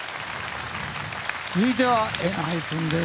続いてはＥＮＨＹＰＥＮです。